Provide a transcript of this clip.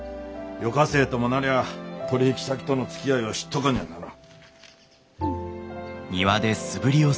予科生ともなりゃあ取引先とのつきあいを知っとかにゃあならん。